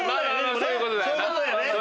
そういうことだよね！